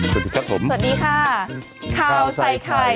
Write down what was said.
สวัสดีครับผมสวัสดีค่ะข้าวใส่ไข่